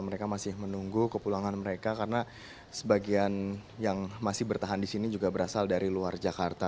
mereka masih menunggu kepulangan mereka karena sebagian yang masih bertahan di sini juga berasal dari luar jakarta